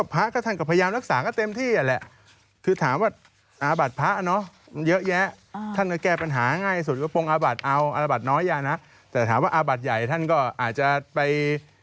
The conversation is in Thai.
โปรดติดตามตอนต่อไป